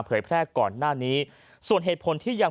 แพร่ก่อนหน้านี้ส่วนเหตุผลที่ยัง